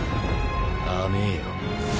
甘えよ。